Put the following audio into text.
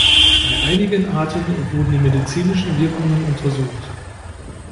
Bei einigen Arten wurden die medizinischen Wirkungen untersucht.